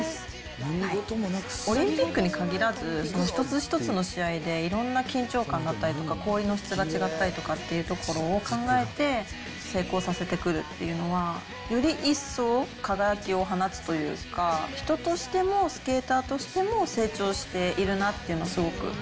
オリンピックに限らず、一つ一つの試合でいろんな緊張感だったりとか、氷の質が違ったりっていったところを考えて、成功させてくるというのは、より一層、輝きを放つというか、人としてもスケーターとしても成長しているなっていうのをすごく。